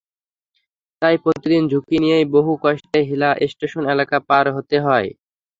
তাই প্রতিদিন ঝুঁকি নিয়েই বহু কষ্টে হ্নীলা স্টেশন এলাকা পার হতে হয়।